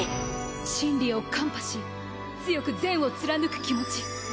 心理を看破し強く善を貫く気持ち。